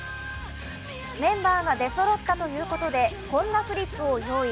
メンバーが出そろったということでこんなフリップを用意。